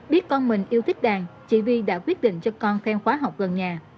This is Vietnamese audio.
biết con mình yêu thích đàn chị vi đã quyết định cho con theo khóa học gần nhà